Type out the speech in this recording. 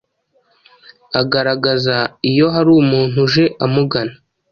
agaragaza iyo hari umuntu uje amugana,